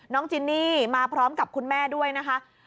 จินนี่มาพร้อมกับคุณแม่ด้วยนะคะ